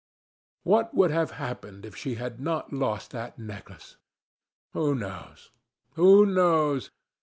What would have happened if she had not lost that necklace? Who knows? who knows?